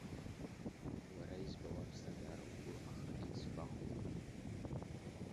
Уара избауа аԥсҭазаара угәы ахшәеит сгәахәуеит.